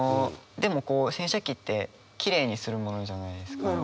でもこう洗車機ってきれいにするものじゃないですか。